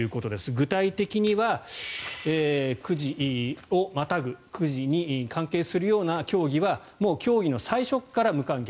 具体的には、９時をまたぐ９時に関係するような競技はもう競技の最初から無観客。